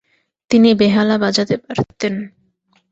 তিনি বেহালা বাজাতে পারতেন।